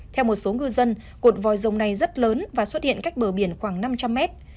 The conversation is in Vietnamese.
theo một số ngư dân cột vòi rồng này rất lớn và xuất hiện cách bờ biển khoảng năm trăm linh mét